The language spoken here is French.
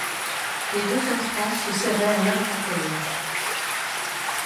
Les deux enfants se serrèrent l’un contre l’autre.